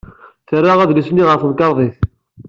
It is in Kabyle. Terra adlis-nni ɣer temkarḍit.